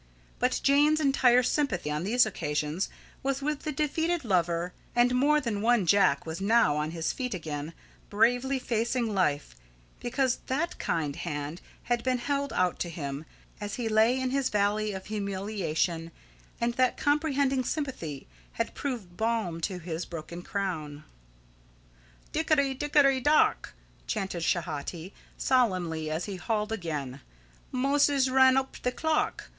But Jane's entire sympathy on these occasions was with the defeated lover, and more than one Jack was now on his feet again, bravely facing life, because that kind hand had been held out to him as he lay in his valley of humiliation, and that comprehending sympathy had proved balm to his broken crown. "Dickery, dickery, dock!" chanted Schehati solemnly, as he hauled again; "Moses ran up the clock.